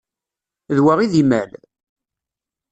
D wa i d imal?